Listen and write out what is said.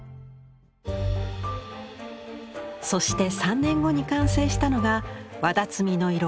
そして３年後に完成したのが「わだつみのいろ